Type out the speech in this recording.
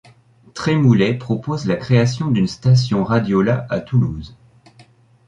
Trémoulet propose la création d’une station Radiola à Toulouse.